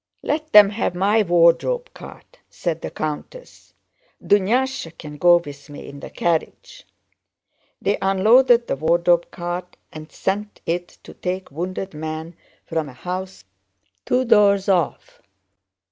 "Let them have my wardrobe cart," said the countess. "Dunyásha can go with me in the carriage." They unloaded the wardrobe cart and sent it to take wounded men from a house two doors off.